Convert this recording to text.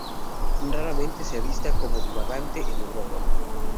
Raramente se avista como divagante en Europa.